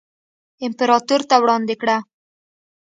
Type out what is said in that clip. امپراتور ته وړاندې کړه.